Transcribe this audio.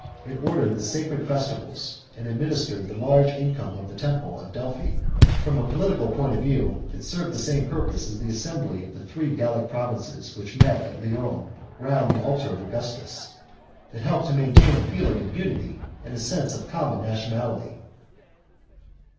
It ordered the sacred festivals and administered the large income of the temple of Delphi. From a political point of view, it served the same purpose as the assembly of the three Gallic provinces which met at Lyons round the altar of Augustus ; it helped to maintain a feeling of unity and a sense of common nationality.